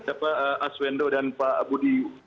kepada pak aswendo dan pak budi